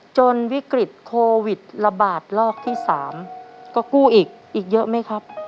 จนวิกฤตโควิดระบาดลอกที่๓ก็กู้อีกอีกเยอะไหมครับ